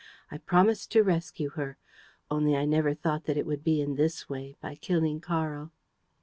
I promised to rescue her ... Only, I never thought that it would be in this way, by killing Karl.